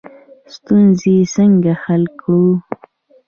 ستونزې څنګه حل کړو؟